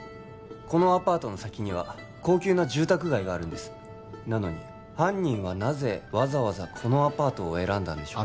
このアパートの先には高級な住宅街があるんですなのに犯人はなぜわざわざこのアパートを選んだんでしょう？